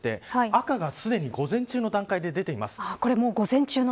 赤が、すでに午前中の段階で出ています。